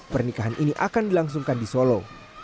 pernikahan ini akan dilangsungkan di solo